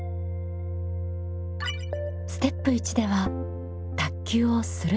ステップ１では卓球を「する」